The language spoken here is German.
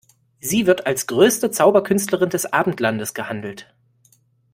Sie wird als größte Zauberkünstlerin des Abendlandes gehandelt.